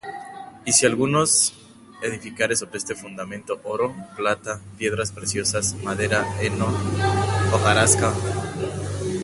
Y si alguno edificare sobre este fundamento oro, plata, piedras preciosas, madera, heno, hojarasca;